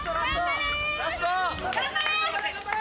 ・頑張れ！